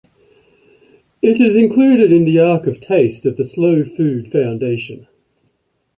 It is included in the Ark of Taste of the Slow Food Foundation.